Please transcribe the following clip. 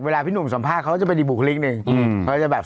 เวลาพี่หนุ่มสำภาคเขาจะเป็นอีบุคลิกเหมือนกันอืมเขาก็จะแบบ